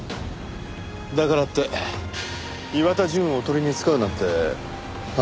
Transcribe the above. だからって岩田純をおとりに使うなんて反則でしょう。